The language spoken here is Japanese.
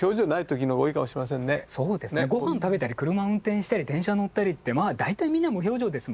ご飯食べたり車運転したり電車乗ったりって大体みんな無表情ですもんね。